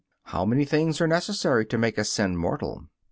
How many things are necessary to make a sin mortal?